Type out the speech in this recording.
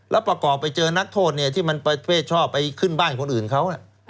แล้วประกอบไปเจอนักโทษที่มันประเภทชอบไปขึ้นบ้านคนอื่นเขา